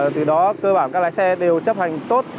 từ đó cơ bản các lái xe đều chấp hành tốt